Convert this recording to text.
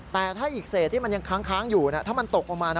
แต่ถ้าอีกเศษที่มันยังค้างอยู่ถ้ามันตกลงมา